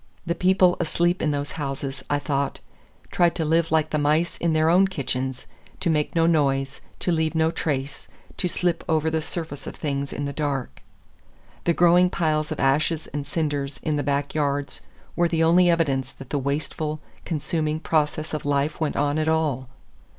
The people asleep in those houses, I thought, tried to live like the mice in their own kitchens; to make no noise, to leave no trace, to slip over the surface of things in the dark. The growing piles of ashes and cinders in the back yards were the only evidence that the wasteful, consuming process of life went on at all.